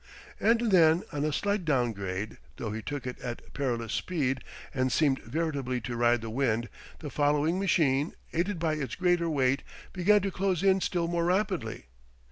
And then, on a slight down grade, though he took it at perilous speed and seemed veritably to ride the wind, the following machine, aided by its greater weight, began to close in still more rapidly.